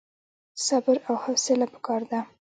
صبر او حوصله پکار ده